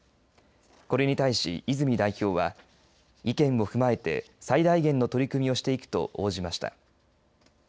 これに対し、泉代表は意見を踏まえて最大限の取り組みをしていくと応じました。